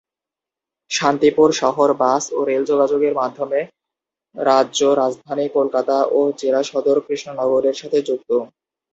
শান্তিপুর শহর বাস ও রেল যোগাযোগের মাধ্যমে রাজ্য রাজধানী কলকাতা ও জেলা সদর কৃষ্ণনগরের সাথে যুক্ত।